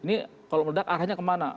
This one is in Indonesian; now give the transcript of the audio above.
ini kalau meledak arahnya kemana